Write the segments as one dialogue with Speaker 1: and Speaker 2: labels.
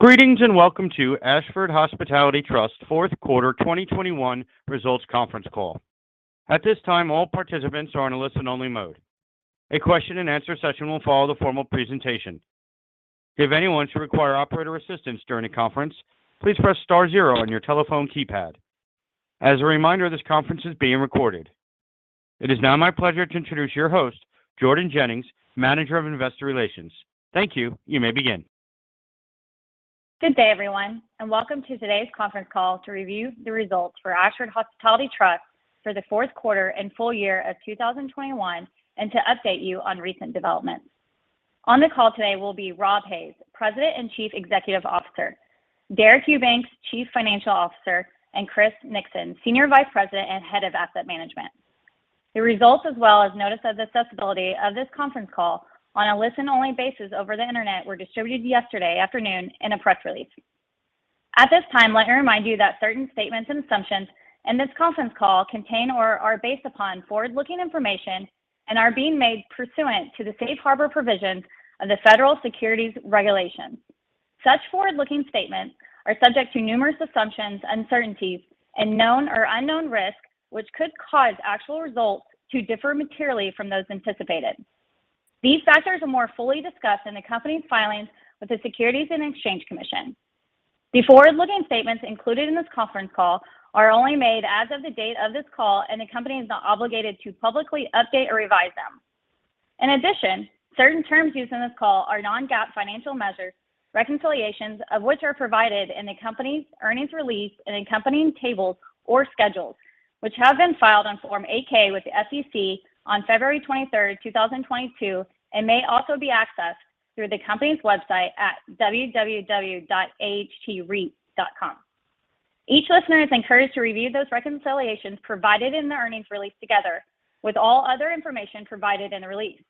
Speaker 1: Greetings and welcome to Ashford Hospitality Trust fourth quarter 2021 results conference call. At this time, all participants are in a listen-only mode. A question and answer session will follow the formal presentation. If anyone should require operator assistance during the conference, please press star zero on your telephone keypad. As a reminder, this conference is being recorded. It is now my pleasure to introduce your host, Jordan Jennings, Manager of Investor Relations. Thank you. You may begin.
Speaker 2: Good day, everyone, and welcome to today's conference call to review the results for Ashford Hospitality Trust for the fourth quarter and full year of 2021 and to update you on recent developments. On the call today will be Rob Hays, President and Chief Executive Officer, Deric Eubanks, Chief Financial Officer, and Chris Nixon, Senior Vice President and Head of Asset Management. The results as well as notice of accessibility of this conference call on a listen-only basis over the Internet were distributed yesterday afternoon in a press release. At this time, let me remind you that certain statements and assumptions in this conference call contain or are based upon forward-looking information and are being made pursuant to the safe harbor provisions of the Federal Securities Regulations. Such forward-looking statements are subject to numerous assumptions, uncertainties, and known or unknown risks, which could cause actual results to differ materially from those anticipated. These factors are more fully discussed in the company's filings with the Securities and Exchange Commission. The forward-looking statements included in this conference call are only made as of the date of this call, and the company is not obligated to publicly update or revise them. In addition, certain terms used in this call are non-GAAP financial measures, reconciliations of which are provided in the company's earnings release and accompanying tables or schedules, which have been filed on Form 8-K with the SEC on February 23, 2022, and may also be accessed through the company's website at www.ahtreit.com. Each listener is encouraged to review those reconciliations provided in the earnings release together with all other information provided in the release.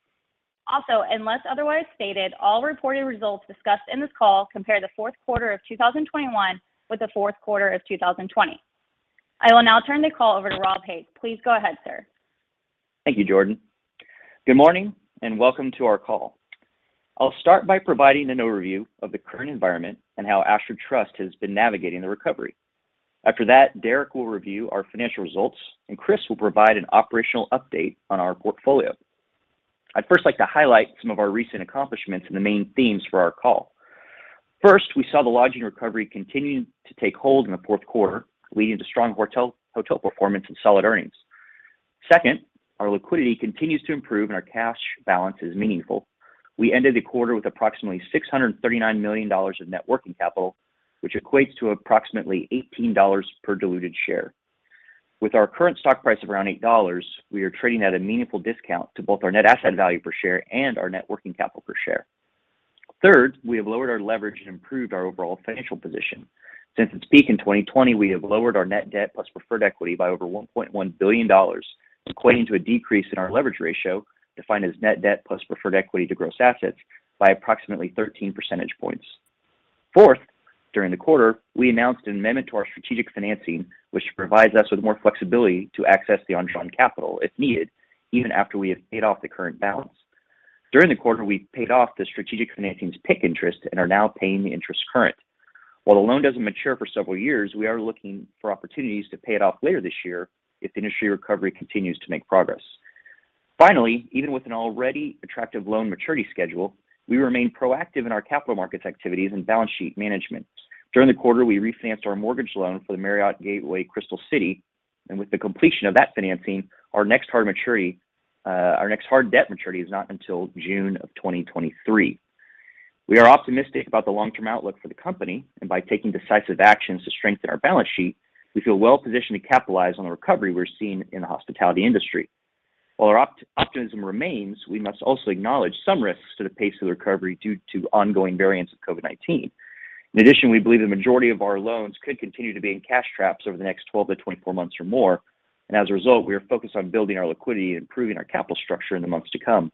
Speaker 2: Also, unless otherwise stated, all reported results discussed in this call compare the fourth quarter of 2021 with the fourth quarter of 2020. I will now turn the call over to Rob Hays. Please go ahead, sir.
Speaker 3: Thank you, Jordan. Good morning and welcome to our call. I'll start by providing an overview of the current environment and how Ashford Trust has been navigating the recovery. After that, Deric will review our financial results, and Chris will provide an operational update on our portfolio. I'd first like to highlight some of our recent accomplishments and the main themes for our call. First, we saw the lodging recovery continuing to take hold in the fourth quarter, leading to strong hotel performance and solid earnings. Second, our liquidity continues to improve and our cash balance is meaningful. We ended the quarter with approximately $639 million of net working capital, which equates to approximately $18 per diluted share. With our current stock price of around $8, we are trading at a meaningful discount to both our net asset value per share and our net working capital per share. Third, we have lowered our leverage and improved our overall financial position. Since its peak in 2020, we have lowered our net debt plus preferred equity by over $1.1 billion, equating to a decrease in our leverage ratio, defined as net debt plus preferred equity to gross assets, by approximately 13 percentage points. Fourth, during the quarter, we announced an amendment to our strategic financing, which provides us with more flexibility to access the undrawn capital if needed, even after we have paid off the current balance. During the quarter, we paid off the strategic financing's PIK interest and are now paying the interest current. While the loan doesn't mature for several years, we are looking for opportunities to pay it off later this year if the industry recovery continues to make progress. Finally, even with an already attractive loan maturity schedule, we remain proactive in our capital markets activities and balance sheet management. During the quarter, we refinanced our mortgage loan for the Marriott Gateway Crystal City, and with the completion of that financing, our next hard maturity, our next hard debt maturity is not until June of 2023. We are optimistic about the long-term outlook for the company, and by taking decisive actions to strengthen our balance sheet, we feel well-positioned to capitalize on the recovery we're seeing in the hospitality industry. While our optimism remains, we must also acknowledge some risks to the pace of the recovery due to ongoing variants of COVID-19. In addition, we believe the majority of our loans could continue to be in cash traps over the next 12-24 months or more, and as a result, we are focused on building our liquidity and improving our capital structure in the months to come.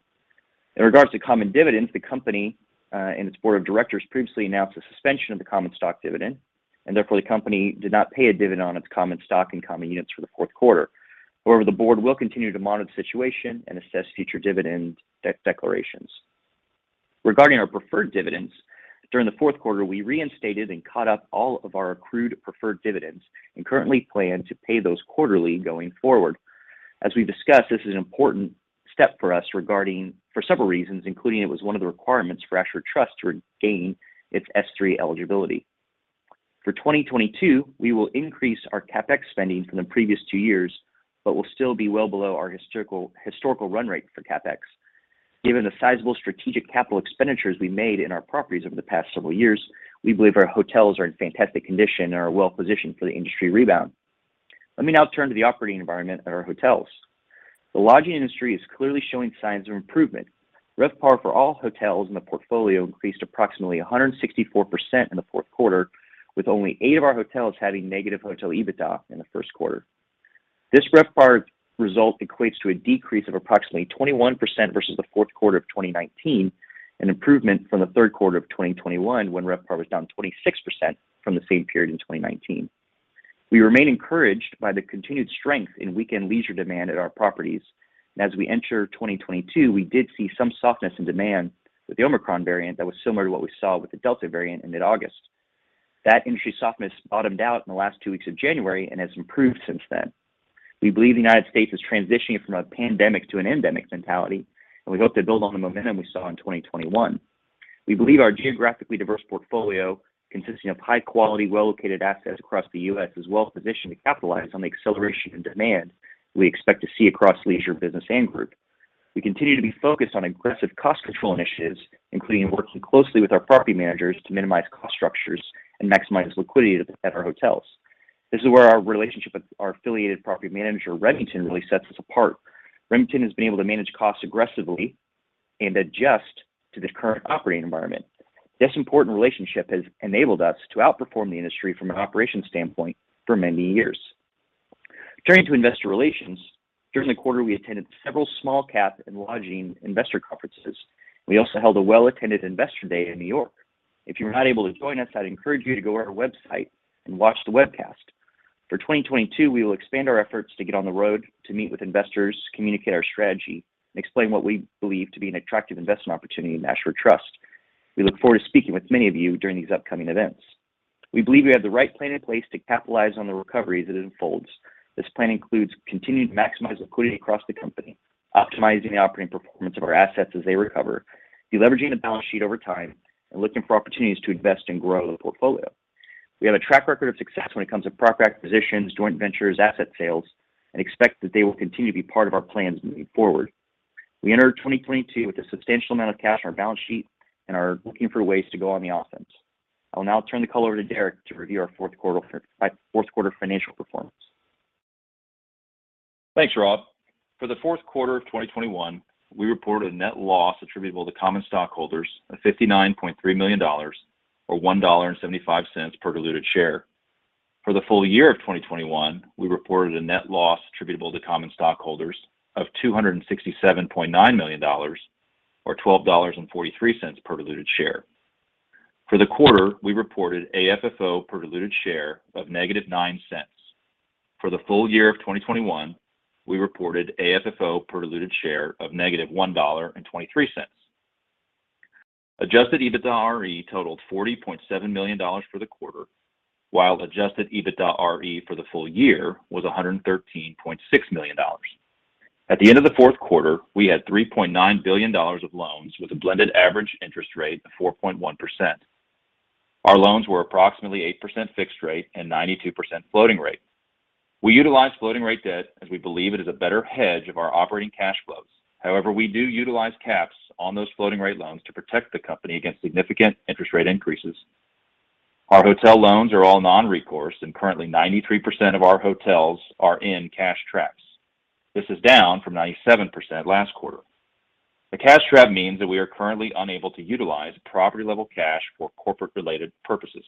Speaker 3: In regards to common dividends, the company and its board of directors previously announced a suspension of the common stock dividend, and therefore the company did not pay a dividend on its common stock and common units for the fourth quarter. However, the board will continue to monitor the situation and assess future dividend declarations. Regarding our preferred dividends, during the fourth quarter, we reinstated and caught up all of our accrued preferred dividends and currently plan to pay those quarterly going forward. As we've discussed, this is an important step for us for several reasons, including it was one of the requirements for Ashford Trust to regain its S-3 eligibility. For 2022, we will increase our CapEx spending from the previous two years but will still be well below our historical run rate for CapEx. Given the sizable strategic capital expenditures we made in our properties over the past several years, we believe our hotels are in fantastic condition and are well-positioned for the industry rebound. Let me now turn to the operating environment at our hotels. The lodging industry is clearly showing signs of improvement. RevPAR for all hotels in the portfolio increased approximately 164% in the fourth quarter, with only eight of our hotels having negative hotel EBITDA in the first quarter. This RevPAR result equates to a decrease of approximately 21% versus the fourth quarter of 2019, an improvement from the third quarter of 2021 when RevPAR was down 26% from the same period in 2019. We remain encouraged by the continued strength in weekend leisure demand at our properties. As we enter 2022, we did see some softness in demand with the Omicron variant that was similar to what we saw with the Delta variant in mid-August. That industry softness bottomed out in the last two weeks of January and has improved since then. We believe the United States is transitioning from a pandemic to an endemic mentality, and we hope to build on the momentum we saw in 2021. We believe our geographically diverse portfolio, consisting of high-quality, well-located assets across the U.S., is well-positioned to capitalize on the acceleration in demand we expect to see across leisure business and group. We continue to be focused on aggressive cost control initiatives, including working closely with our property managers to minimize cost structures and maximize liquidity at our hotels. This is where our relationship with our affiliated property manager, Remington, really sets us apart. Remington has been able to manage costs aggressively and adjust to the current operating environment. This important relationship has enabled us to outperform the industry from an operations standpoint for many years. Turning to investor relations, during the quarter, we attended several small cap and lodging investor conferences. We also held a well-attended investor day in New York. If you were not able to join us, I'd encourage you to go to our website and watch the webcast. For 2022, we will expand our efforts to get on the road to meet with investors, communicate our strategy, and explain what we believe to be an attractive investment opportunity in Ashford Trust. We look forward to speaking with many of you during these upcoming events. We believe we have the right plan in place to capitalize on the recovery as it unfolds. This plan includes continuing to maximize liquidity across the company, optimizing the operating performance of our assets as they recover, de-leveraging the balance sheet over time, and looking for opportunities to invest and grow the portfolio. We have a track record of success when it comes to property acquisitions, joint ventures, asset sales, and expect that they will continue to be part of our plans moving forward. We enter 2022 with a substantial amount of cash on our balance sheet and are looking for ways to go on the offense. I will now turn the call over to Deric to review our fourth quarter financial performance.
Speaker 4: Thanks, Rob. For the fourth quarter of 2021, we reported a net loss attributable to common stockholders of $59.3 million or $1.75 per diluted share. For the full year of 2021, we reported a net loss attributable to common stockholders of $267.9 million or $12.43 per diluted share. For the quarter, we reported AFFO per diluted share of -$0.09. For the full year of 2021, we reported AFFO per diluted share of -$1.23. Adjusted EBITDAre totaled $40.7 million for the quarter, while Adjusted EBITDAre for the full year was $113.6 million. At the end of the fourth quarter, we had $3.9 billion of loans with a blended average interest rate of 4.1%. Our loans were approximately 8% fixed rate and 92% floating rate. We utilize floating rate debt as we believe it is a better hedge of our operating cash flows. However, we do utilize caps on those floating rate loans to protect the company against significant interest rate increases. Our hotel loans are all non-recourse, and currently 93% of our hotels are in cash traps. This is down from 97% last quarter. A cash trap means that we are currently unable to utilize property-level cash for corporate-related purposes.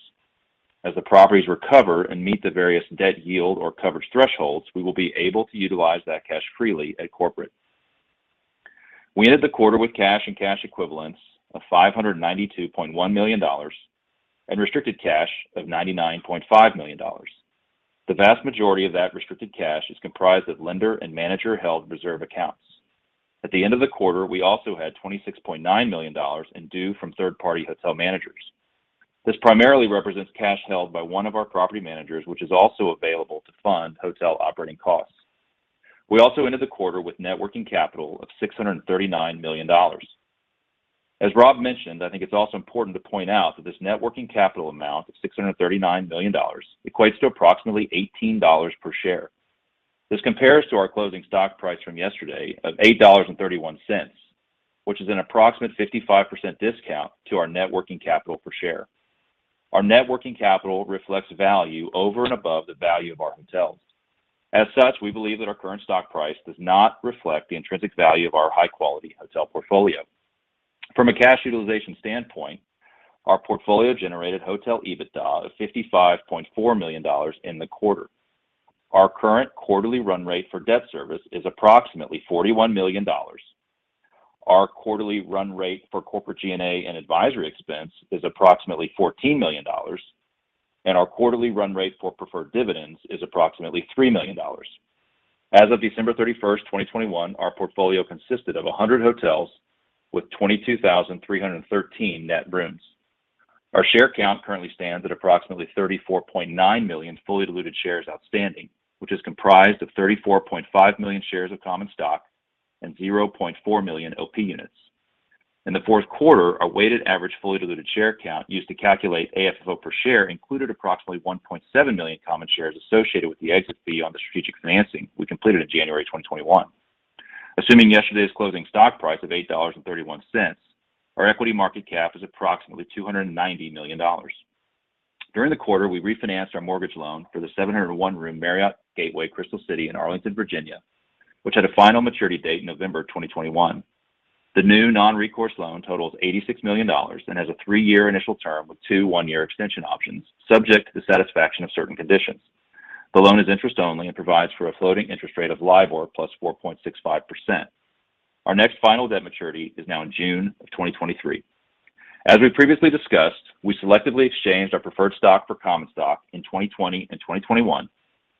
Speaker 4: As the properties recover and meet the various debt yield or coverage thresholds, we will be able to utilize that cash freely at corporate. We ended the quarter with cash and cash equivalents of $592.1 million and restricted cash of $99.5 million. The vast majority of that restricted cash is comprised of lender and manager-held reserve accounts. At the end of the quarter, we also had $26.9 million in due from third-party hotel managers. This primarily represents cash held by one of our property managers, which is also available to fund hotel operating costs. We also ended the quarter with net working capital of $639 million. As Rob mentioned, I think it's also important to point out that this net working capital amount of $639 million equates to approximately $18 per share. This compares to our closing stock price from yesterday of $8.31, which is an approximate 55% discount to our net working capital per share. Our net working capital reflects value over and above the value of our hotels. As such, we believe that our current stock price does not reflect the intrinsic value of our high-quality hotel portfolio. From a cash utilization standpoint, our portfolio generated hotel EBITDA of $55.4 million in the quarter. Our current quarterly run rate for debt service is approximately $41 million. Our quarterly run rate for corporate G&A and advisory expense is approximately $14 million, and our quarterly run rate for preferred dividends is approximately $3 million. As of December 31, 2021, our portfolio consisted of 100 hotels with 22,313 net rooms. Our share count currently stands at approximately 34.9 million fully diluted shares outstanding, which is comprised of 34.5 million shares of common stock and 0.4 million OP units. In the fourth quarter, our weighted average fully diluted share count used to calculate AFFO per share included approximately 1.7 million common shares associated with the exit fee on the strategic financing we completed in January 2021. Assuming yesterday's closing stock price of $8.31, our equity market cap is approximately $290 million. During the quarter, we refinanced our mortgage loan for the 701-room Marriott Gateway Crystal City in Arlington, Virginia, which had a final maturity date November 2021. The new non-recourse loan totals $86 million and has a three-year initial term with two one-year extension options, subject to the satisfaction of certain conditions. The loan is interest-only and provides for a floating interest rate of LIBOR plus 4.65%. Our next final debt maturity is now in June 2023. As we previously discussed, we selectively exchanged our preferred stock for common stock in 2020 and 2021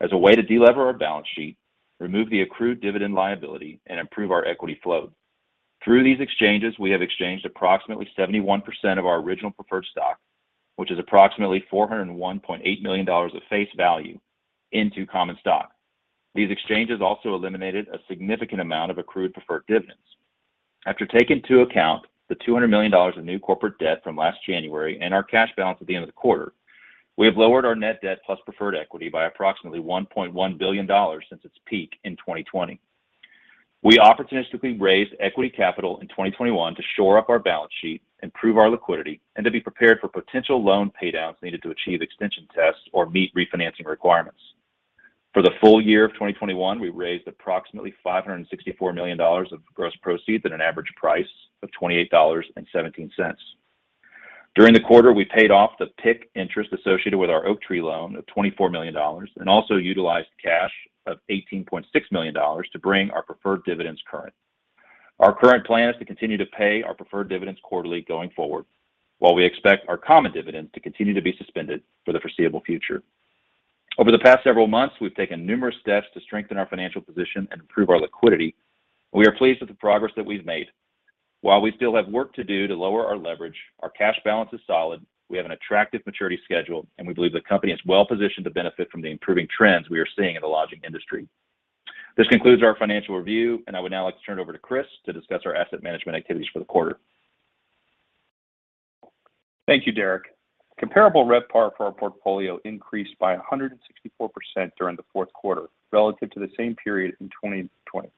Speaker 4: as a way to de-lever our balance sheet, remove the accrued dividend liability, and improve our equity flow. Through these exchanges, we have exchanged approximately 71% of our original preferred stock, which is approximately $401.8 million of face value into common stock. These exchanges also eliminated a significant amount of accrued preferred dividends. After taking into account the $200 million of new corporate debt from last January and our cash balance at the end of the quarter, we have lowered our net debt plus preferred equity by approximately $1.1 billion since its peak in 2020. We opportunistically raised equity capital in 2021 to shore up our balance sheet, improve our liquidity, and to be prepared for potential loan pay downs needed to achieve extension tests or meet refinancing requirements. For the full year of 2021, we raised approximately $564 million of gross proceeds at an average price of $28.17. During the quarter, we paid off the PIK interest associated with our Oaktree loan of $24 million and also utilized cash of $18.6 million to bring our preferred dividends current. Our current plan is to continue to pay our preferred dividends quarterly going forward, while we expect our common dividends to continue to be suspended for the foreseeable future. Over the past several months, we've taken numerous steps to strengthen our financial position and improve our liquidity, and we are pleased with the progress that we've made. While we still have work to do to lower our leverage, our cash balance is solid, we have an attractive maturity schedule, and we believe the company is well-positioned to benefit from the improving trends we are seeing in the lodging industry. This concludes our financial review, and I would now like to turn it over to Chris to discuss our asset management activities for the quarter.
Speaker 5: Thank you, Derek. Comparable RevPAR for our portfolio increased by 164% during the fourth quarter relative to the same period in 2020.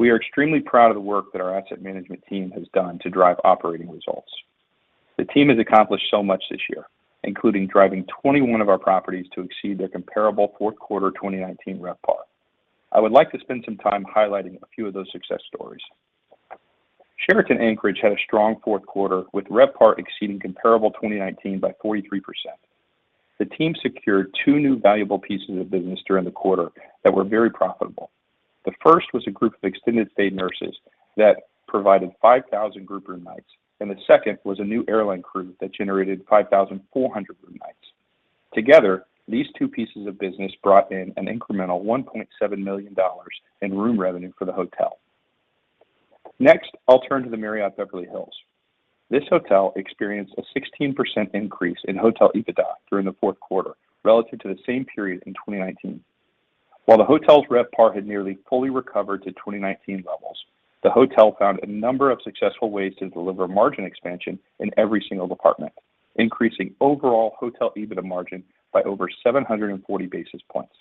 Speaker 5: We are extremely proud of the work that our asset management team has done to drive operating results. The team has accomplished so much this year, including driving 21 of our properties to exceed their comparable fourth quarter 2019 RevPAR. I would like to spend some time highlighting a few of those success stories. Sheraton Anchorage had a strong fourth quarter with RevPAR exceeding comparable 2019 by 43%. The team secured two new valuable pieces of business during the quarter that were very profitable. The first was a group of extended stay nurses that provided 5,000 group room nights, and the second was a new airline crew that generated 5,400 room nights. Together, these two pieces of business brought in an incremental $1.7 million in room revenue for the hotel. Next, I'll turn to the Marriott Beverly Hills. This hotel experienced a 16% increase in hotel EBITDA during the fourth quarter relative to the same period in 2019. While the hotel's RevPAR had nearly fully recovered to 2019 levels, the hotel found a number of successful ways to deliver margin expansion in every single department, increasing overall hotel EBITDA margin by over 740 basis points.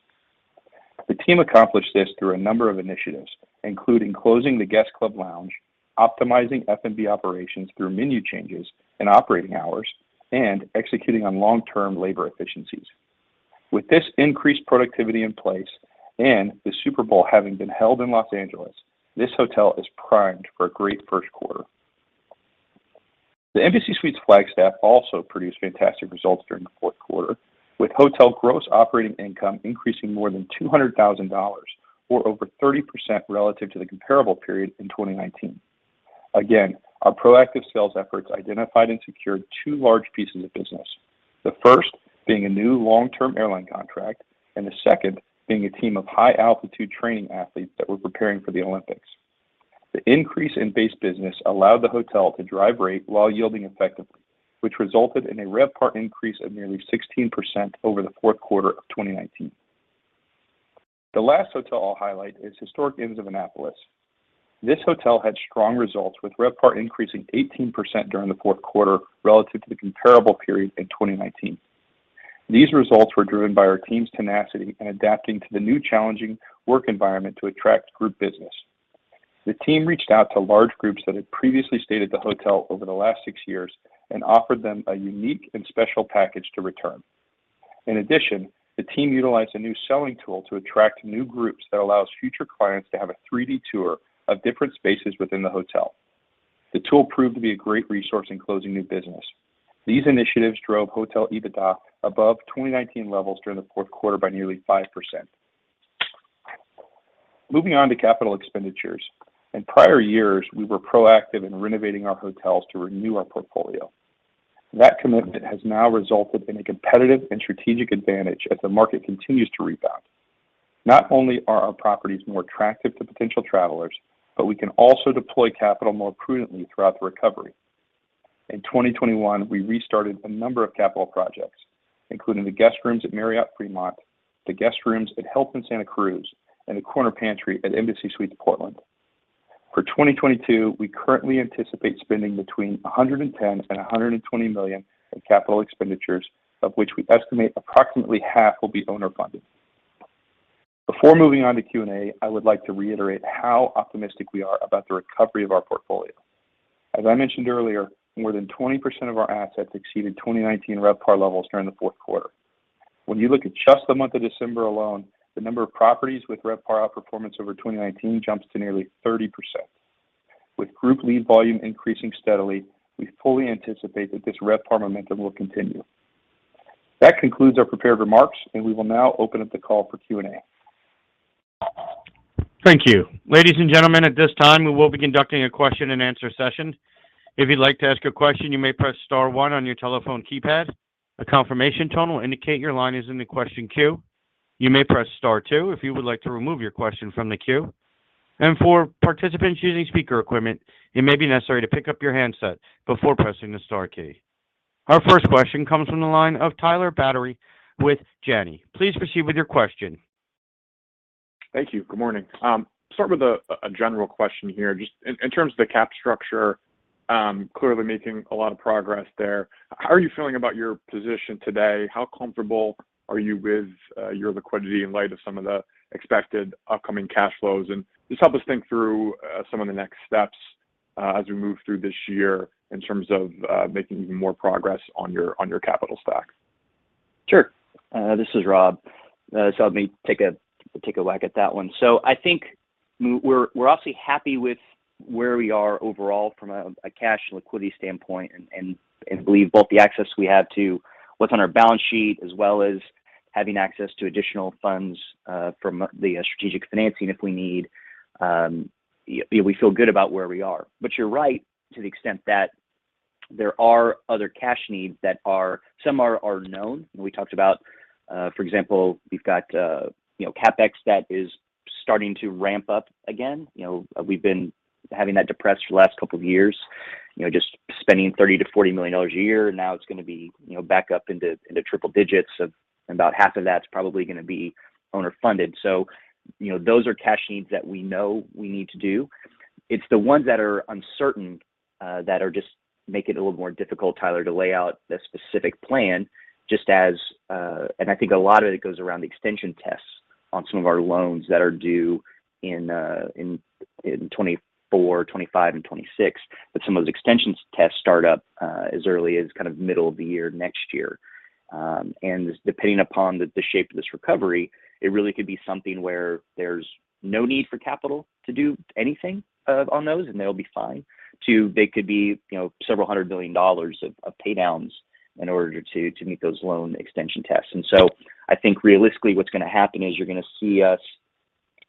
Speaker 5: The team accomplished this through a number of initiatives, including closing the guest club lounge, optimizing F&B operations through menu changes and operating hours, and executing on long-term labor efficiencies. With this increased productivity in place and the Super Bowl having been held in Los Angeles, this hotel is primed for a great first quarter. The Embassy Suites Flagstaff also produced fantastic results during the fourth quarter, with hotel gross operating income increasing more than $200,000 or over 30% relative to the comparable period in 2019. Our proactive sales efforts identified and secured two large pieces of business. The first being a new long-term airline contract and the second being a team of high-altitude training athletes that were preparing for the Olympics. The increase in base business allowed the hotel to drive rate while yielding effectively, which resulted in a RevPAR increase of nearly 16% over the fourth quarter of 2019. The last hotel I'll highlight is Historic Inns of Annapolis. This hotel had strong results with RevPAR increasing 18% during the fourth quarter relative to the comparable period in 2019. These results were driven by our team's tenacity in adapting to the new challenging work environment to attract group business. The team reached out to large groups that had previously stayed at the hotel over the last six years and offered them a unique and special package to return. In addition, the team utilized a new selling tool to attract new groups that allows future clients to have a 3-D tour of different spaces within the hotel. The tool proved to be a great resource in closing new business. These initiatives drove hotel EBITDA above 2019 levels during the fourth quarter by nearly 5%. Moving on to capital expenditures. In prior years, we were proactive in renovating our hotels to renew our portfolio. That commitment has now resulted in a competitive and strategic advantage as the market continues to rebound. Not only are our properties more attractive to potential travelers, but we can also deploy capital more prudently throughout the recovery. In 2021, we restarted a number of capital projects, including the guest rooms at Marriott Fremont, the guest rooms at Hilton Santa Cruz, and the Corner Pantry at Embassy Suites Portland. For 2022, we currently anticipate spending between $110 million and $120 million in capital expenditures, of which we estimate approximately half will be owner-funded. Before moving on to Q&A, I would like to reiterate how optimistic we are about the recovery of our portfolio. As I mentioned earlier, more than 20% of our assets exceeded 2019 RevPAR levels during the fourth quarter. When you look at just the month of December alone, the number of properties with RevPAR outperformance over 2019 jumps to nearly 30%. With group lead volume increasing steadily, we fully anticipate that this RevPAR momentum will continue. That concludes our prepared remarks, and we will now open up the call for Q&A.
Speaker 1: Thank you. Ladies and gentlemen, at this time we will be conducting a question and answer session. If you'd like to ask a question, you may press star one on your telephone keypad. A confirmation tone will indicate your line is in the question queue. You may press star two if you would like to remove your question from the queue. For participants using speaker equipment, it may be necessary to pick up your handset before pressing the star key. Our first question comes from the line of Tyler Batory with Janney. Please proceed with your question.
Speaker 6: Thank you. Good morning. Start with a general question here. Just in terms of the capital structure, clearly making a lot of progress there. How are you feeling about your position today? How comfortable are you with your liquidity in light of some of the expected upcoming cash flows? Just help us think through some of the next steps as we move through this year in terms of making even more progress on your capital stack.
Speaker 3: Sure. This is Rob. Let me take a whack at that one. I think we're obviously happy with where we are overall from a cash liquidity standpoint and believe both the access we have to what's on our balance sheet, as well as having access to additional funds from the strategic financing if we need. Yeah, we feel good about where we are. You're right to the extent that there are other cash needs, some are known, and we talked about, for example, we've got you know CapEx that is starting to ramp up again. You know, we've been having that depressed for the last couple of years, you know, just spending $30 million-$40 million a year, now it's gonna be, you know, back up into triple digits of. About half of that's probably gonna be owner funded. You know, those are cash needs that we know we need to do. It's the ones that are uncertain that just make it a little more difficult, Tyler, to lay out the specific plan. I think a lot of it goes around the extension tests on some of our loans that are due in 2024, 2025 and 2026. Some of those extension tests start up as early as kind of middle of the year next year. Depending upon the shape of this recovery, it really could be something where there's no need for capital to do anything on those, and they'll be fine, they could be, you know, $several hundred million of pay downs in order to meet those loan extension tests. I think realistically what's gonna happen is you're gonna see us,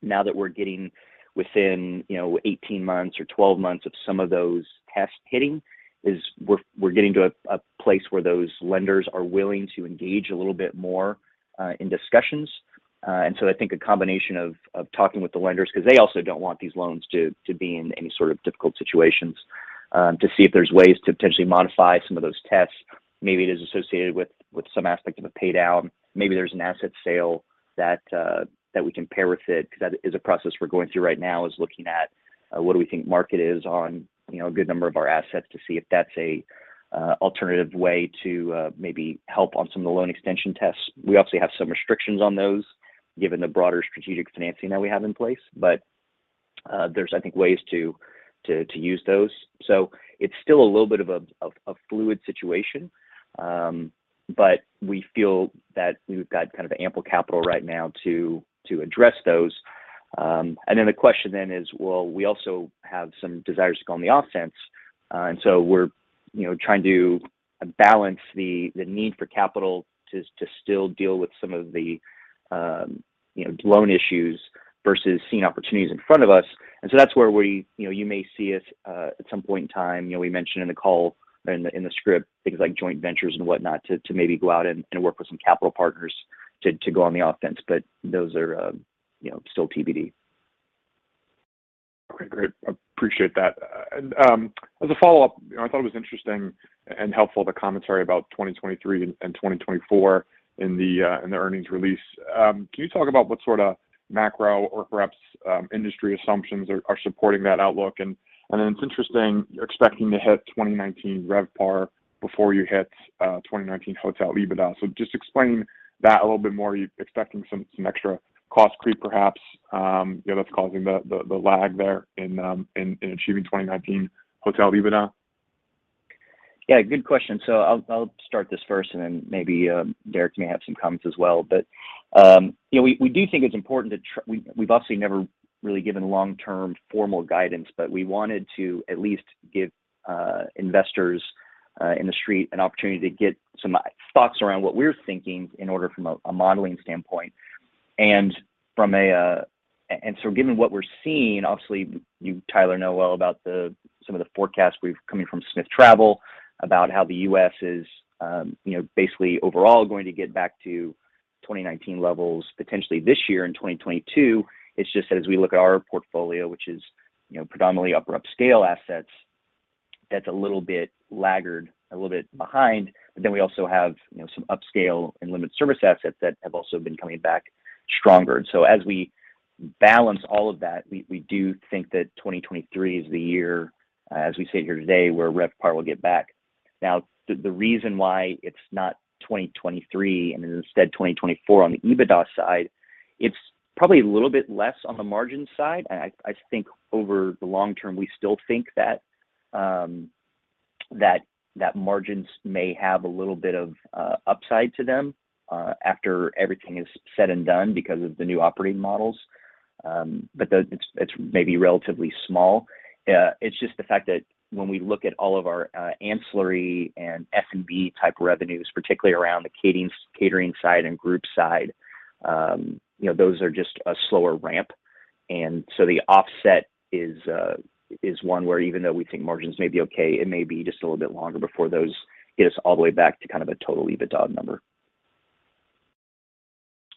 Speaker 3: now that we're getting within, you know, 18 months or 12 months of some of those tests hitting, we're getting to a place where those lenders are willing to engage a little bit more in discussions. I think a combination of talking with the lenders, 'cause they also don't want these loans to be in any sort of difficult situations, to see if there's ways to potentially modify some of those tests. Maybe it is associated with some aspect of a pay down. Maybe there's an asset sale that we can pair with it, 'cause that is a process we're going through right now, is looking at what do we think market is on, you know, a good number of our assets to see if that's a alternative way to maybe help on some of the loan extension tests. We obviously have some restrictions on those given the broader strategic financing that we have in place. But there's, I think, ways to use those. So it's still a little bit of a fluid situation. But we feel that we've got kind of ample capital right now to address those. And then the question then is, well, we also have some desires to go on the offense. We're you know trying to balance the need for capital to still deal with some of the you know loan issues versus seeing opportunities in front of us. That's where we you know you may see us at some point in time you know we mentioned in the call or in the script things like joint ventures and whatnot to maybe go out and work with some capital partners to go on the offense. Those are you know still TBD.
Speaker 6: Okay, great. Appreciate that. As a follow-up, you know, I thought it was interesting and helpful, the commentary about 2023 and 2024 in the earnings release. Can you talk about what sort of macro or perhaps industry assumptions are supporting that outlook? It's interesting you're expecting to hit 2019 RevPAR before you hit 2019 hotel EBITDA. Just explain that a little bit more. Are you expecting some extra cost creep, perhaps, you know, that's causing the lag there in achieving 2019 hotel EBITDA?
Speaker 3: Yeah, good question. I'll start this first and then maybe Deric may have some comments as well. You know, we do think it's important. We've obviously never really given long-term formal guidance, but we wanted to at least give investors on the street an opportunity to get some thoughts around what we're thinking from a modeling standpoint and so given what we're seeing. Obviously you, Tyler, know well about some of the forecasts coming from Smith Travel about how the U.S. is, you know, basically overall going to get back to 2019 levels potentially this year in 2022. It's just that as we look at our portfolio, which is, you know, predominantly upper upscale assets, that's a little bit laggard, a little bit behind. We also have, you know, some upscale and limited service assets that have also been coming back stronger. As we balance all of that, we do think that 2023 is the year, as we sit here today, where RevPAR will get back. Now, the reason why it's not 2023 and is instead 2024 on the EBITDA side, it's probably a little bit less on the margin side. I think over the long term we still think that that margins may have a little bit of upside to them, after everything is said and done because of the new operating models. It's maybe relatively small. It's just the fact that when we look at all of our ancillary and F&B type revenues, particularly around the catering side and group side, you know, those are just a slower ramp. The offset is one where even though we think margins may be okay, it may be just a little bit longer before those get us all the way back to kind of a total EBITDA number.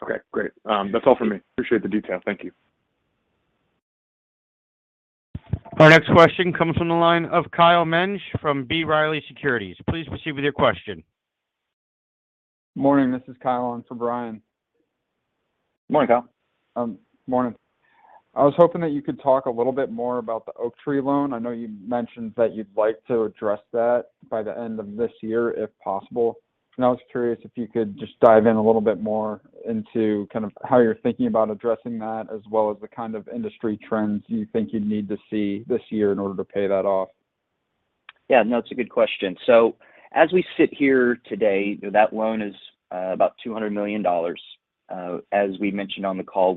Speaker 6: Okay, great. That's all for me. Appreciate the detail. Thank you.
Speaker 1: Our next question comes from the line of Kyle Menges from B. Riley Securities. Please proceed with your question.
Speaker 7: Morning, this is Kyle in for Brian.
Speaker 3: Morning, Kyle.
Speaker 7: Morning. I was hoping that you could talk a little bit more about the Oaktree loan. I know you mentioned that you'd like to address that by the end of this year if possible. I was curious if you could just dive in a little bit more into kind of how you're thinking about addressing that, as well as the kind of industry trends you think you'd need to see this year in order to pay that off?
Speaker 3: Yeah, no, it's a good question. As we sit here today, that loan is about $200 million. As we mentioned on the call,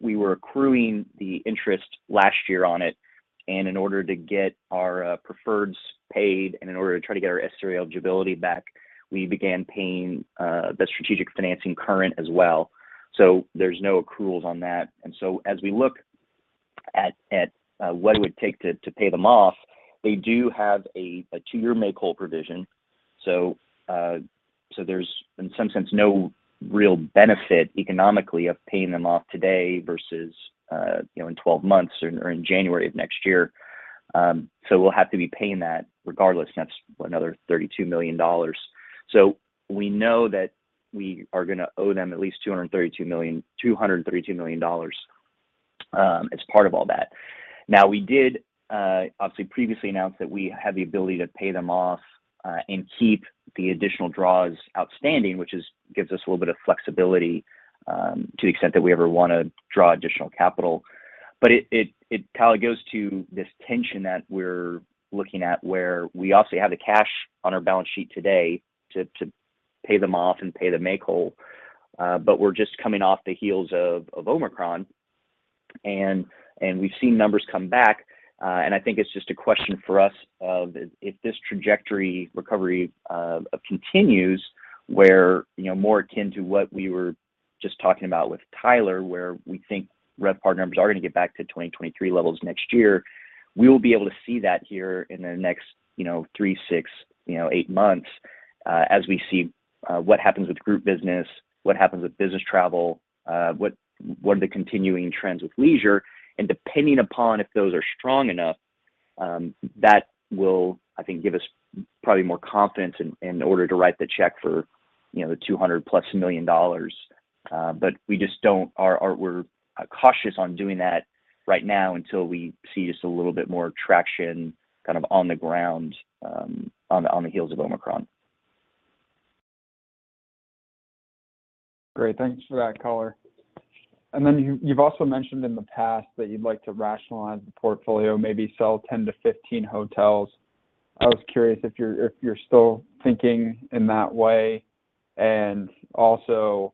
Speaker 3: we were accruing the interest last year on it, and in order to get our preferreds paid and in order to try to get our SR eligibility back, we began paying the strategic financing current as well. There's no accruals on that. As we look at what it would take to pay them off, they do have a two-year make-whole provision. There's in some sense no real benefit economically of paying them off today versus you know in 12 months or in January of next year. We'll have to be paying that regardless, and that's another $32 million. We know that we are gonna owe them at least $232 million as part of all that. Now, we did obviously previously announce that we have the ability to pay them off and keep the additional draws outstanding, which gives us a little bit of flexibility to the extent that we ever wanna draw additional capital. It kind of goes to this tension that we're looking at where we obviously have the cash on our balance sheet today to pay them off and pay the make whole, but we're just coming off the heels of Omicron, and we've seen numbers come back. I think it's just a question for us of if this trajectory recovery continues where, you know, more akin to what we were just talking about with Tyler, where we think RevPAR numbers are gonna get back to 2023 levels next year. We will be able to see that here in the next, you know, three, six, eight months as we see what happens with group business, what happens with business travel, what are the continuing trends with leisure. Depending upon if those are strong enough, that will, I think, give us probably more confidence in order to write the check for, you know, the $200+ million. But we just don't. We're cautious on doing that right now until we see just a little bit more traction kind of on the ground, on the heels of Omicron.
Speaker 7: Great. Thanks for that color. You've also mentioned in the past that you'd like to rationalize the portfolio, maybe sell 10-15 hotels. I was curious if you're still thinking in that way. Also,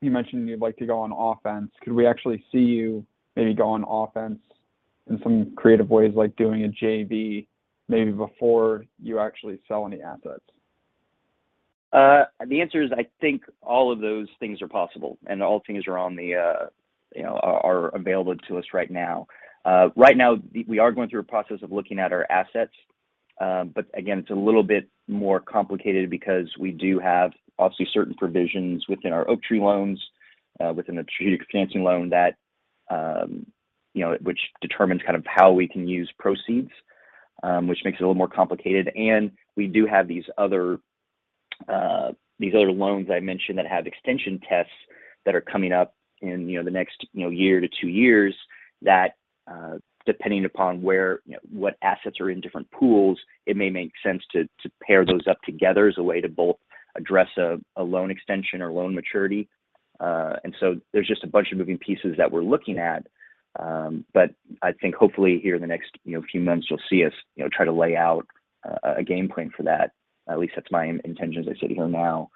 Speaker 7: you mentioned you'd like to go on offense. Could we actually see you maybe go on offense in some creative ways, like doing a JV maybe before you actually sell any assets?
Speaker 3: The answer is, I think all of those things are possible, and all things are on the, you know, are available to us right now. Right now, we are going through a process of looking at our assets. But again, it's a little bit more complicated because we do have obviously certain provisions within our Oaktree loans, within the strategic financing loan that, you know, which determines kind of how we can use proceeds, which makes it a little more complicated. We do have these other loans I mentioned that have extension tests that are coming up in you know the next you know year to two years that depending upon where you know what assets are in different pools it may make sense to pair those up together as a way to both address a loan extension or loan maturity. There's just a bunch of moving pieces that we're looking at. I think hopefully here in the next you know few months you'll see us you know try to lay out a game plan for that. At least that's my intention as I sit here now.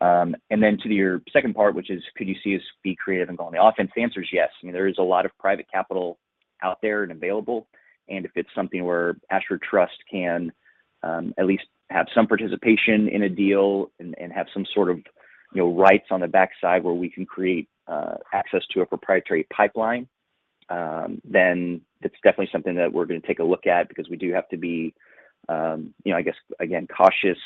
Speaker 3: Then to your second part, which is could you see us be creative and go on the offense? The answer is yes. I mean, there is a lot of private capital out there and available. If it's something where Ashford Trust can at least have some participation in a deal and have some sort of, you know, rights on the backside where we can create access to a proprietary pipeline, then it's definitely something that we're gonna take a look at because we do have to be, you know, I guess, again, cautious,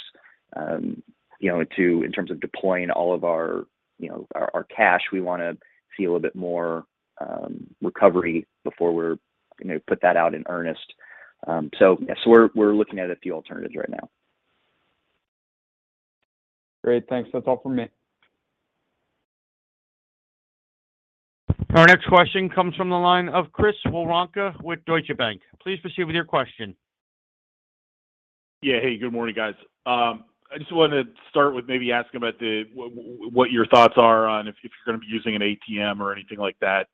Speaker 3: you know, to in terms of deploying all of our, you know, our cash. We wanna see a little bit more recovery before we're, you know, put that out in earnest. We're looking at a few alternatives right now.
Speaker 7: Great. Thanks. That's all for me.
Speaker 1: Our next question comes from the line of Chris Woronka with Deutsche Bank. Please proceed with your question.
Speaker 8: Yeah. Hey, good morning, guys. I just wanted to start with maybe asking about the what your thoughts are on if you're gonna be using an ATM or anything like that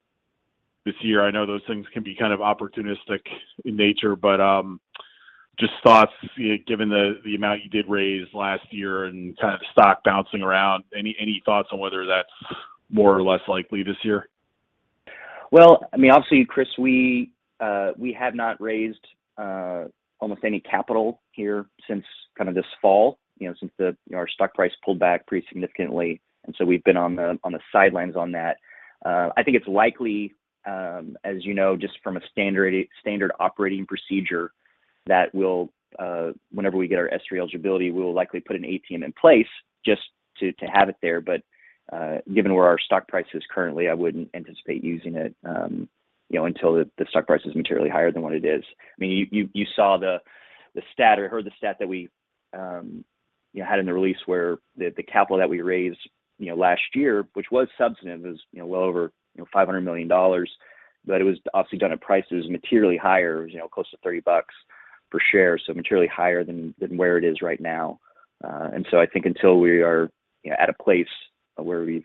Speaker 8: this year. I know those things can be kind of opportunistic in nature, but just thoughts, you know, given the amount you did raise last year and kind of stock bouncing around. Any thoughts on whether that's more or less likely this year?
Speaker 3: Well, I mean, obviously, Chris, we have not raised almost any capital here since kind of this fall, you know, since our stock price pulled back pretty significantly, and so we've been on the sidelines on that. I think it's likely, as you know, just from a standard operating procedure. That will, whenever we get our S-3 eligibility, we'll likely put an ATM in place just to have it there. Given where our stock price is currently, I wouldn't anticipate using it, you know, until the stock price is materially higher than what it is. I mean, you saw the stat or heard the stat that we, you know, had in the release where the capital that we raised, you know, last year, which was substantive, it was, you know, well over $500 million, but it was obviously done at prices materially higher, it was, you know, close to $30 per share, so materially higher than where it is right now. I think until we are, you know, at a place where we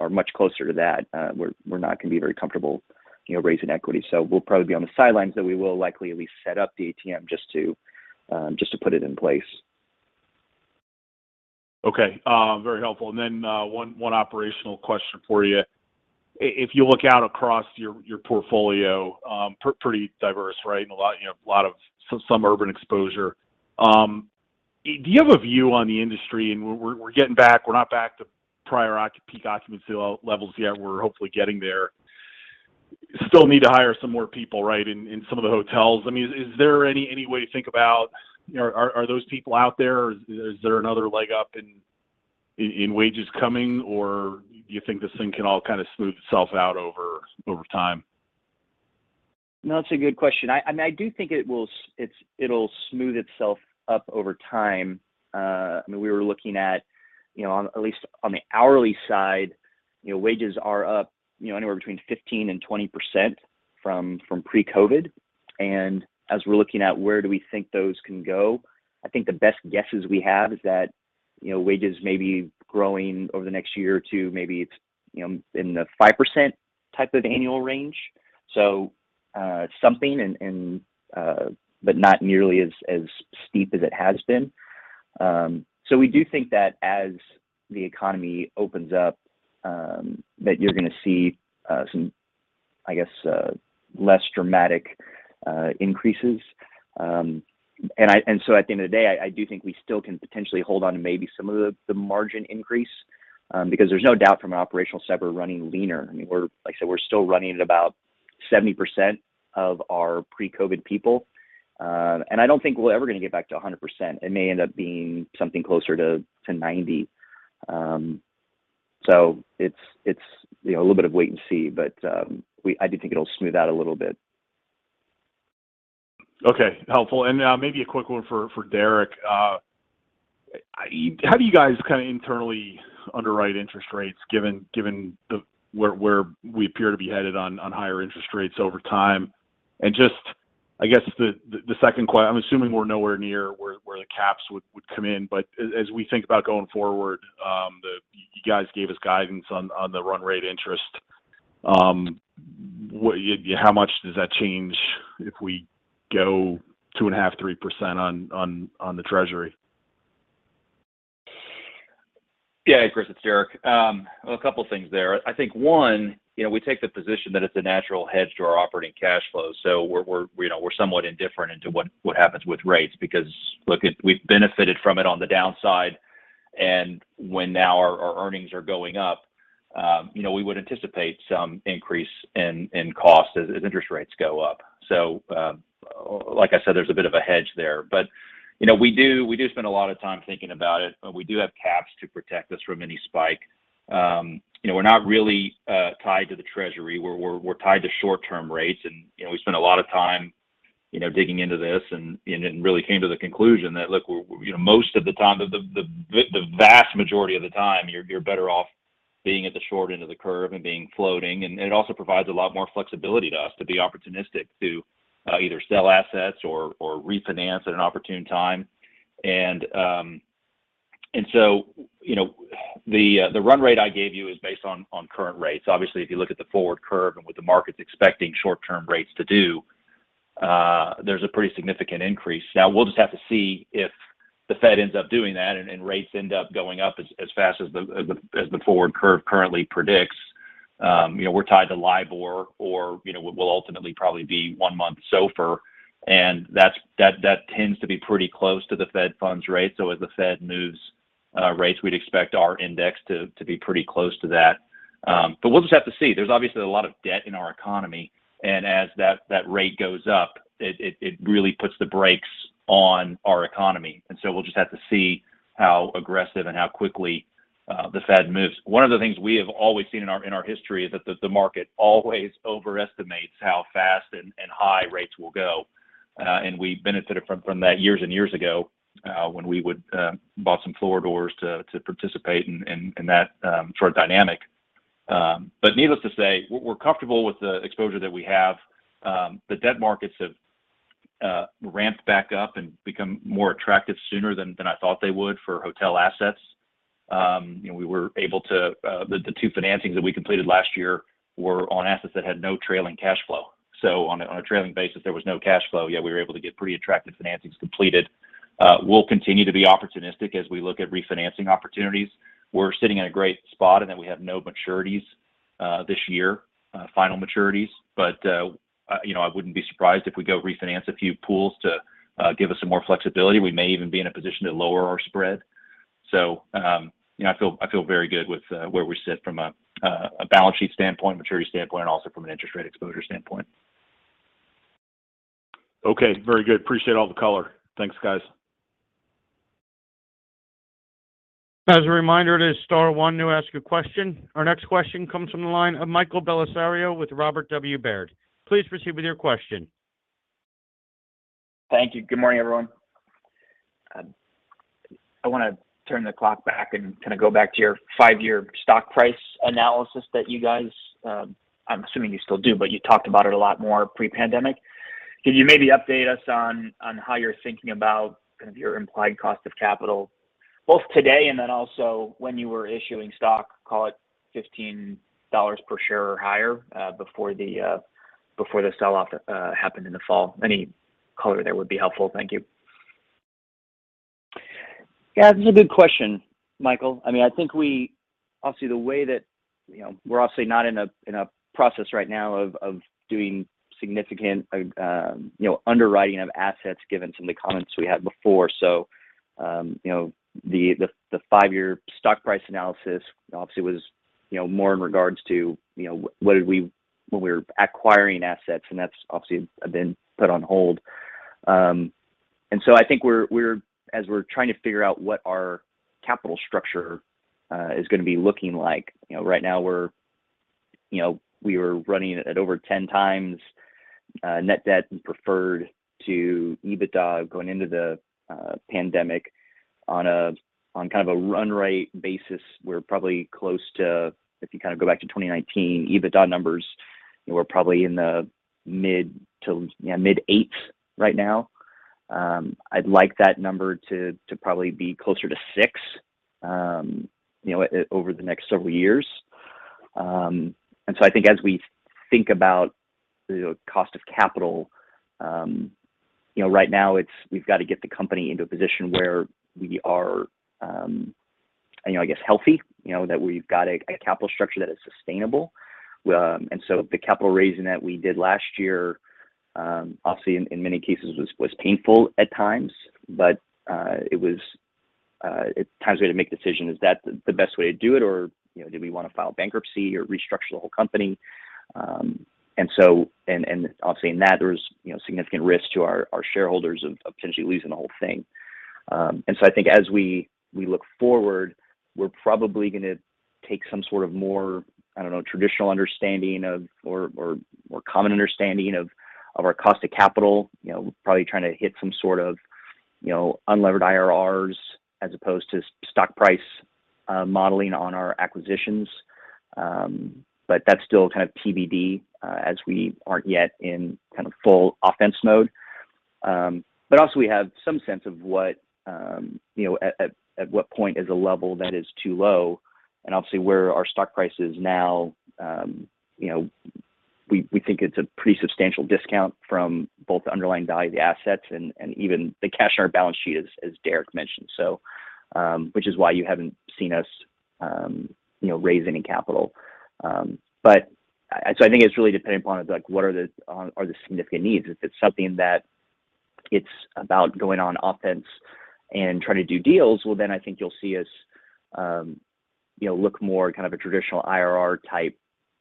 Speaker 3: are much closer to that, we're not gonna be very comfortable, you know, raising equity. We'll probably be on the sidelines, but we will likely at least set up the ATM just to put it in place.
Speaker 8: Okay. Very helpful. Then one operational question for you. If you look out across your portfolio, pretty diverse, right? A lot of some urban exposure, you know. Do you have a view on the industry? We're getting back, we're not back to prior peak occupancy levels yet. We're hopefully getting there. Still need to hire some more people, right, in some of the hotels. I mean, is there any way to think about, you know? Are those people out there? Is there another leg up in wages coming, or do you think this thing can all kind of smooth itself out over time?
Speaker 3: No, it's a good question. I mean, I do think it will smooth itself up over time. I mean, we were looking at, you know, at least on the hourly side, you know, wages are up, you know, anywhere between 15%-20% from pre-COVID-19. As we're looking at where do we think those can go, I think the best guesses we have is that, you know, wages may be growing over the next year or two, maybe it's, you know, in the 5% type of annual range. Something, but not nearly as steep as it has been. We do think that as the economy opens up, that you're gonna see some, I guess, less dramatic increases. At the end of the day, I do think we still can potentially hold on to maybe some of the margin increase, because there's no doubt from an operational side we're running leaner. I mean, Like I said, we're still running at about 70% of our pre-COVID people. I don't think we're ever gonna get back to 100%. It may end up being something closer to 90%. It's you know, a little bit of wait and see. I do think it'll smooth out a little bit.
Speaker 8: Okay. Helpful. Maybe a quick one for Derek. How do you guys kind of internally underwrite interest rates given where we appear to be headed on higher interest rates over time? Just, I guess the second. I'm assuming we're nowhere near where the caps would come in. But as we think about going forward, you guys gave us guidance on the run rate interest. How much does that change if we go 2.5%-3% on the treasury?
Speaker 4: Yeah, Chris, it's Derek. A couple things there. I think, one, you know, we take the position that it's a natural hedge to our operating cash flows. We're, you know, we're somewhat indifferent to what happens with rates because, look, it. We've benefited from it on the downside. Now our earnings are going up, you know, we would anticipate some increase in cost as interest rates go up. Like I said, there's a bit of a hedge there. You know, we do spend a lot of time thinking about it, and we do have caps to protect us from any spike. You know, we're not really tied to the Treasury. We're tied to short-term rates. You know, we spend a lot of time, you know, digging into this and then really came to the conclusion that, look, we're you know, most of the time, the vast majority of the time, you're better off being at the short end of the curve and being floating. It also provides a lot more flexibility to us to be opportunistic to either sell assets or refinance at an opportune time. You know, the run rate I gave you is based on current rates. Obviously, if you look at the forward curve and what the market's expecting short-term rates to do, there's a pretty significant increase. Now we'll just have to see if the Fed ends up doing that and rates end up going up as fast as the forward curve currently predicts. You know, we're tied to LIBOR or you know what will ultimately probably be one-month SOFR, and that tends to be pretty close to the Fed funds rate. As the Fed moves rates, we'd expect our index to be pretty close to that. We'll just have to see. There's obviously a lot of debt in our economy, and as that rate goes up, it really puts the brakes on our economy. We'll just have to see how aggressive and how quickly the Fed moves. One of the things we have always seen in our history is that the market always overestimates how fast and high rates will go. We benefited from that years and years ago, when we bought some flooridors to participate in that short dynamic. Needless to say, we're comfortable with the exposure that we have. The debt markets have ramped back up and become more attractive sooner than I thought they would for hotel assets. You know, the two financings that we completed last year were on assets that had no trailing cash flow. On a trailing basis, there was no cash flow, yet we were able to get pretty attractive financings completed. We'll continue to be opportunistic as we look at refinancing opportunities. We're sitting in a great spot in that we have no maturities this year, final maturities. You know, I wouldn't be surprised if we go refinance a few pools to give us some more flexibility. We may even be in a position to lower our spread. You know, I feel very good with where we sit from a balance sheet standpoint, maturity standpoint, also from an interest rate exposure standpoint.
Speaker 8: Okay. Very good. Appreciate all the color. Thanks, guys.
Speaker 1: As a reminder, it is star one to ask a question. Our next question comes from the line of Michael Bellisario with Robert W. Baird. Please proceed with your question.
Speaker 9: Thank you. Good morning, everyone. I want to turn the clock back and kind of go back to your five-year stock price analysis that you guys, I'm assuming you still do, but you talked about it a lot more pre-pandemic. Can you maybe update us on how you're thinking about kind of your implied cost of capital, both today and then also when you were issuing stock, call it $15 per share or higher, before the sell-off happened in the fall? Any color there would be helpful. Thank you.
Speaker 3: Yeah, this is a good question, Michael. I mean, I think obviously the way that, you know, we're obviously not in a process right now of doing significant, you know, underwriting of assets, given some of the comments we had before. You know, the five-year stock price analysis obviously was, you know, more in regards to, you know, when we were acquiring assets, and that's obviously been put on hold. I think we're as we're trying to figure out what our capital structure is going to be looking like, you know, right now we're, you know, we were running at over 10 times net debt and preferred to EBITDA going into the pandemic on a kind of run rate basis. We're probably close to, if you kind of go back to 2019 EBITDA numbers, you know, we're probably in the mid- to mid-eights right now. I'd like that number to probably be closer to six, you know, over the next several years. I think as we think about the cost of capital, you know, right now it's we've got to get the company into a position where we are, you know, I guess healthy, you know, that we've got a capital structure that is sustainable. The capital raising that we did last year, obviously in many cases was painful at times, but at times we had to make a decision, is that the best way to do it or, you know, do we want to file bankruptcy or restructure the whole company? Obviously in that there was significant risk to our shareholders of potentially losing the whole thing. I think as we look forward, we're probably gonna take some sort of more traditional understanding of or more common understanding of our cost of capital. You know, probably trying to hit some sort of unlevered IRRs as opposed to stock price modeling on our acquisitions. That's still kind of TBD as we aren't yet in kind of full offense mode. We have some sense of what you know at what point is a level that is too low and obviously where our stock price is now. You know, we think it's a pretty substantial discount from both the underlying value of the assets and even the cash on our balance sheet, as Deric mentioned. Which is why you haven't seen us you know raise any capital. I think it's really dependent upon like what are the significant needs. If it's something that it's about going on offense and trying to do deals, well, then I think you'll see us, you know, look more kind of a traditional IRR type,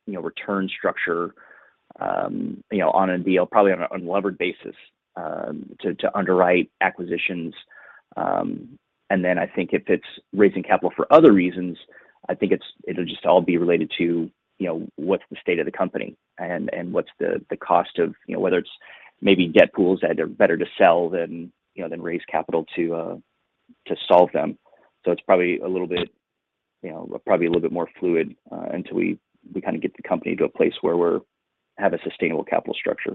Speaker 3: you know, return structure, you know, on a deal probably on an unlevered basis, to underwrite acquisitions. I think if it's raising capital for other reasons, it'll just all be related to, you know, what's the state of the company and what's the cost of, you know, whether it's maybe debt pools that are better to sell than, you know, than raise capital to solve them. It's probably a little bit, you know, probably a little bit more fluid, until we kind of get the company to a place where we have a sustainable capital structure.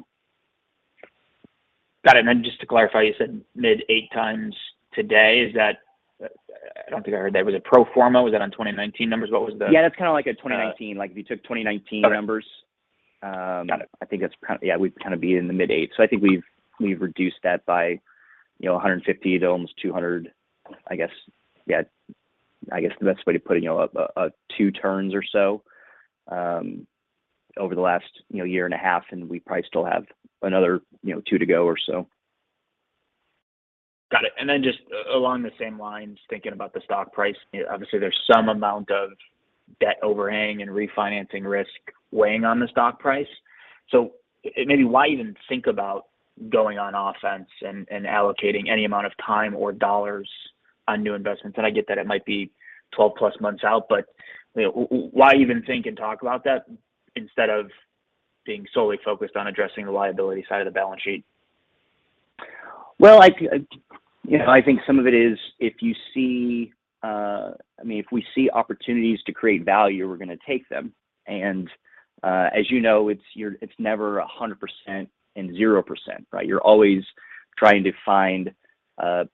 Speaker 9: Got it. Just to clarify, you said mid-eight times today. I don't think I heard that. Was it pro forma? Was that on 2019 numbers? What was the-
Speaker 3: Yeah, that's kind of like a 2019. Like if you took 2019 numbers.
Speaker 9: Got it
Speaker 3: I think that's kind of. Yeah, we'd kind of be in the mid-eights. I think we've reduced that by, you know, 150 to almost 200 I guess. Yeah, I guess the best way to put it, you know, a two turns or so over the last, you know, year and a half, and we probably still have another, you know, 2 to go or so.
Speaker 9: Got it. Just along the same lines, thinking about the stock price, obviously there's some amount of debt overhang and refinancing risk weighing on the stock price. Maybe why even think about going on offense and allocating any amount of time or dollars on new investments? I get that it might be 12+ months out, but you know, why even think and talk about that instead of being solely focused on addressing the liability side of the balance sheet?
Speaker 3: Well, I you know, I think some of it is if you see, I mean, if we see opportunities to create value, we're gonna take them. As you know, it's never 100% and 0%, right? You're always trying to find,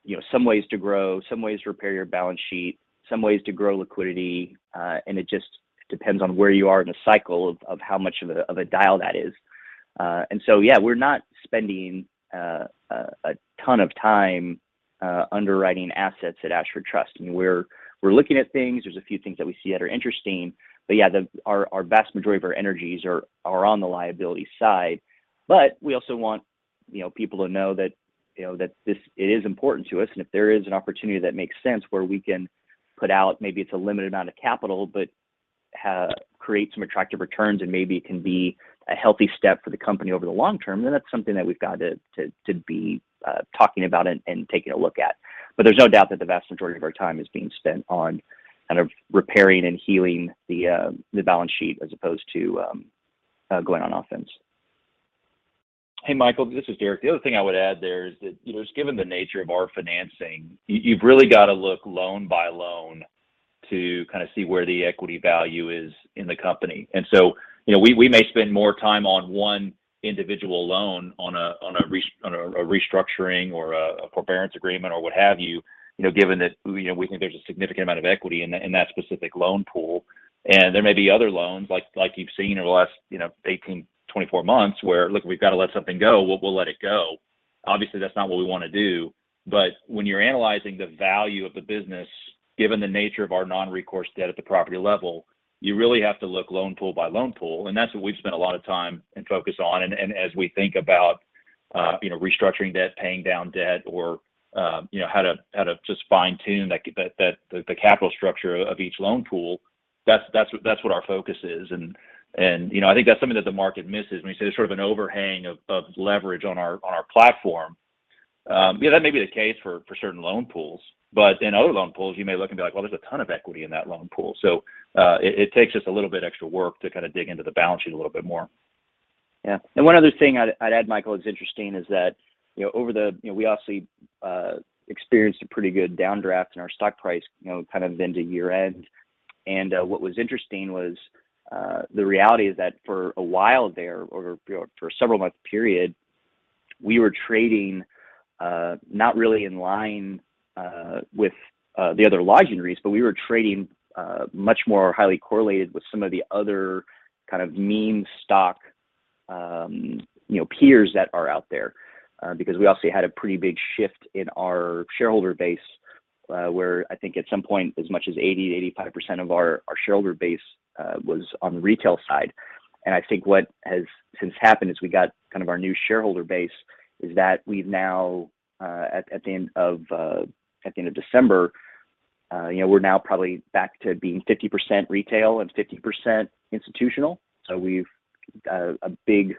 Speaker 3: you know, some ways to grow, some ways to repair your balance sheet, some ways to grow liquidity, and it just depends on where you are in the cycle of how much of a dial that is. Yeah, we're not spending a ton of time underwriting assets at Ashford Trust. You know, we're looking at things. There's a few things that we see that are interesting. Yeah, our vast majority of our energies are on the liability side. We also want. You know, people will know that, you know, that this, it is important to us. If there is an opportunity that makes sense where we can put out, maybe it's a limited amount of capital, but create some attractive returns and maybe it can be a healthy step for the company over the long term, then that's something that we've got to to be talking about and taking a look at. There's no doubt that the vast majority of our time is being spent on kind of repairing and healing the the balance sheet as opposed to going on offense.
Speaker 4: Hey, Michael, this is Deric. The other thing I would add there is that, you know, just given the nature of our financing, you've really got to look loan by loan to kind of see where the equity value is in the company. You know, we may spend more time on one individual loan on a restructuring or a forbearance agreement or what have you know, given that, you know, we think there's a significant amount of equity in that specific loan pool. There may be other loans like you've seen over the last, you know, 18, 24 months where, look, we've got to let something go, we'll let it go. Obviously, that's not what we want to do. When you're analyzing the value of the business, given the nature of our non-recourse debt at the property level, you really have to look loan pool by loan pool. That's what we've spent a lot of time and focus on. As we think about, you know, restructuring debt, paying down debt or, you know, how to just fine-tune the capital structure of each loan pool, that's what our focus is. You know, I think that's something that the market misses. When you say there's sort of an overhang of leverage on our platform, you know, that may be the case for certain loan pools. in other loan pools, you may look and be like, "Well, there's a ton of equity in that loan pool." It takes just a little bit extra work to kind of dig into the balance sheet a little bit more.
Speaker 3: One other thing I'd add, Michael, it's interesting, is that we obviously experienced a pretty good downdraft in our stock price, you know, kind of into year-end. What was interesting was the reality is that for a while there or for several month period, we were trading not really in line with the other lodging REITs, but we were trading much more highly correlated with some of the other kind of meme stock peers that are out there. Because we also had a pretty big shift in our shareholder base, where I think at some point, as much as 80%-85% of our shareholder base was on the retail side. I think what has since happened is we got kind of our new shareholder base is that we've now, at the end of December, you know, we're now probably back to being 50% retail and 50% institutional. We've a big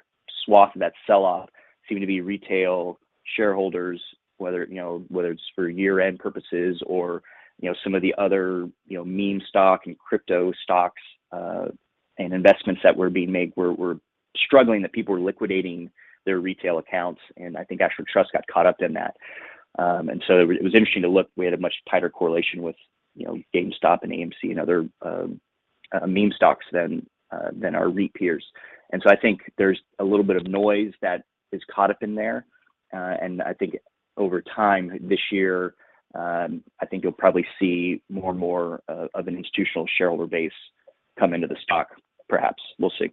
Speaker 3: swath of that sell-off seem to be retail shareholders, whether you know whether it's for year-end purposes or you know some of the other you know meme stock and crypto stocks and investments that were being made were struggling that people were liquidating their retail accounts. I think Ashford Trust got caught up in that. It was interesting to look. We had a much tighter correlation with you know GameStop and AMC and other meme stocks than our REIT peers. I think there's a little bit of noise that is caught up in there. I think over time, this year, I think you'll probably see more and more of an institutional shareholder base come into the stock, perhaps. We'll see.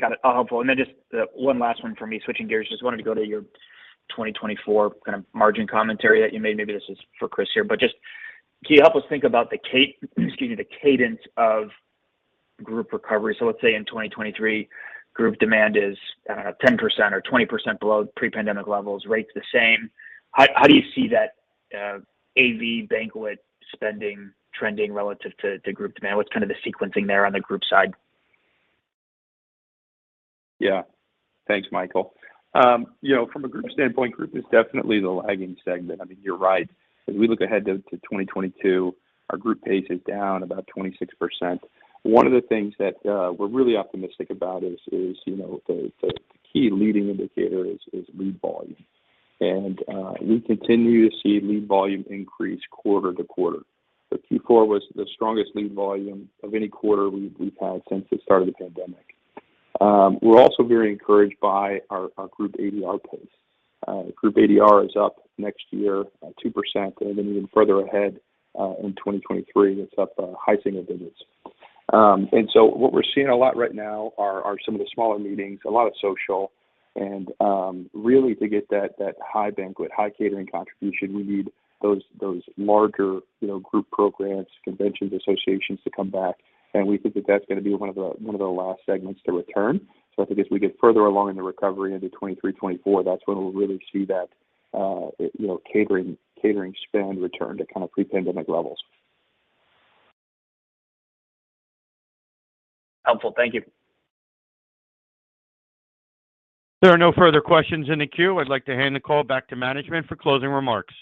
Speaker 9: Got it. Helpful. Then just one last one for me, switching gears. Just wanted to go to your 2024 kind of margin commentary that you made. Maybe this is for Chris here. Just can you help us think about the cadence of group recovery? So let's say in 2023, group demand is, I don't know, 10% or 20% below pre-pandemic levels, rates the same. How do you see that AV banquet spending trending relative to group demand? What's kind of the sequencing there on the group side?
Speaker 5: Yeah. Thanks, Michael. You know, from a group standpoint, group is definitely the lagging segment. I mean, you're right. As we look ahead to 2022, our group pace is down about 26%. One of the things that we're really optimistic about is you know, the key leading indicator is lead volume. We continue to see lead volume increase quarter to quarter. Q4 was the strongest lead volume of any quarter we've had since the start of the pandemic. We're also very encouraged by our group ADR pace. The group ADR is up next year 2%, and then even further ahead in 2023, it's up high single digits. What we're seeing a lot right now are some of the smaller meetings, a lot of social. Really to get that high banquet, high catering contribution, we need those larger, you know, group programs, conventions, associations to come back. We think that that's gonna be one of the last segments to return. I think as we get further along in the recovery into 2023, 2024, that's when we'll really see that, you know, catering spend return to kind of pre-pandemic levels.
Speaker 9: Helpful. Thank you.
Speaker 1: There are no further questions in the queue. I'd like to hand the call back to management for closing remarks.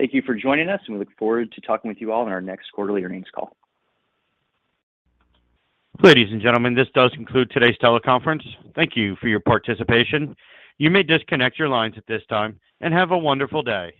Speaker 3: Thank you for joining us, and we look forward to talking with you all in our next quarterly earnings call.
Speaker 1: Ladies and gentlemen, this does conclude today's teleconference. Thank you for your participation. You may disconnect your lines at this time, and have a wonderful day.